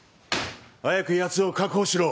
早くやつを確保しろ。